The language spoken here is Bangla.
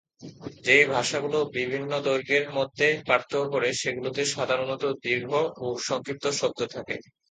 যে-ভাষাগুলো বিভিন্ন দৈর্ঘ্যের মধ্যে পার্থক্য করে, সেগুলোতে সাধারণত দীর্ঘ ও সংক্ষিপ্ত শব্দ থাকে।